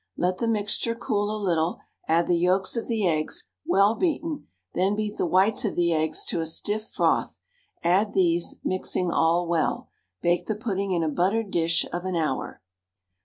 Let the mixture cool a little, add the yolks of the eggs, well beaten, then beat the whites of the eggs to a stiff froth, add these, mixing all well. Bake the pudding in a buttered dish of an hour.